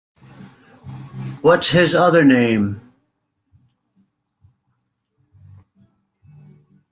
What’s his other name?